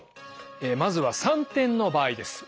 えまずは３点の場合です。